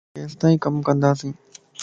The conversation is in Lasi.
پاڻ ڪيستائي ڪم ڪنداسين